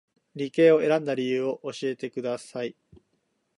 理系を選んだ理由を教えてください